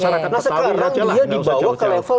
karena sekarang dia dibawa ke level